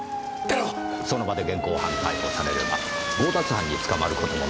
その場で現行犯逮捕されれば強奪犯に捕まる事もない。